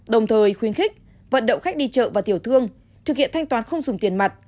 đồng thời khuyến khích vận động khách đi chợ và tiểu thương thực hiện thanh toán không dùng tiền mặt